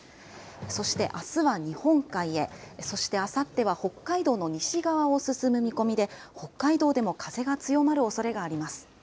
そしてあすは日本海へ、そしてあさっては北海道の西側を進む見込みで、北海道でも風が強まるおそれがあります。